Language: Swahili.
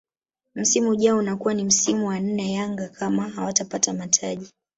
Msimu ujao unakuwa ni msimu wa nne Yanga kama hawatapata mataji